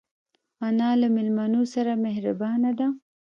انا له مېلمنو سره مهربانه ده